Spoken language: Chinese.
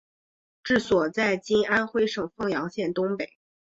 治所在今安徽省凤阳县东北。